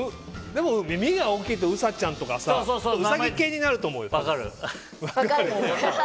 でも耳が大きいとうさちゃんとかウサギ系になると思うよ。